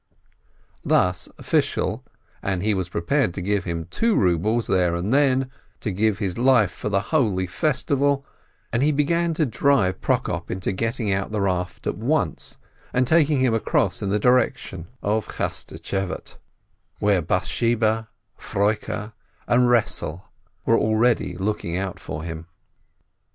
Thus Fishel, and he was prepared to give him two rubles then and there, to give his life for the holy festival, and he began to drive Prokop into getting out the raft at once, and taking him across in the direction of Chaschtschevate, where Bath sheba, Froike, and Resele are already looking out for him.